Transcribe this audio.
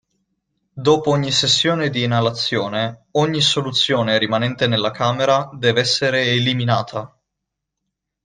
Dopo ogni sessione di inalazione, ogni soluzione rimanente nella camera, deve essere eliminata.